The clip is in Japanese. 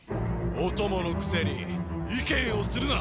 お供のくせに意見をするな！